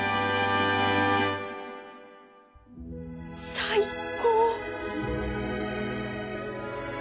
最高